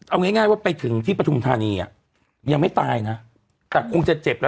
เอาง่ายง่ายว่าไปถึงที่ปฐุมธานีอ่ะยังไม่ตายนะแต่คงจะเจ็บแล้ว